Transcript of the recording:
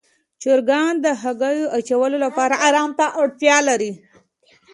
چرګان د هګیو اچولو لپاره آرام ته اړتیا لري.